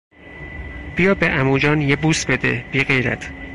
بیا به عموجان یه بوس بده، بیغیرت!